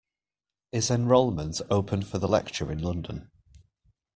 Is enrolment open for the lecture in London?